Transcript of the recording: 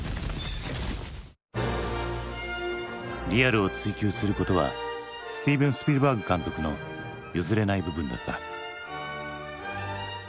リアルを追求することはスティーブン・スピルバーグ監督の譲れない部分だった。